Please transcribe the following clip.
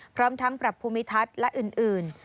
พร้อมทั้งปรับภูมิทัศน์และอื่น